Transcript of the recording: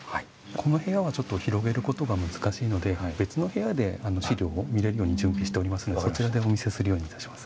この部屋はちょっと広げることが難しいので別の部屋で資料を見れるように準備しておりますのでそちらでお見せするようにいたします。